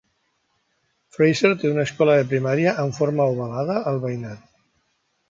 Fraser té una escola de primària amb forma ovalada al veïnat.